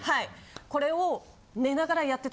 これを。